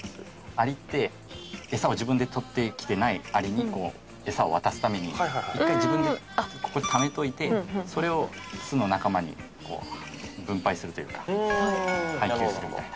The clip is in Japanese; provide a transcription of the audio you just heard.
アリってエサを自分で取ってきてないアリにこうエサを渡すために１回自分でここでためといてそれを巣の仲間に分配するというか配給するみたいな。